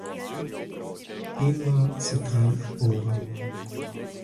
Emma setrai ora.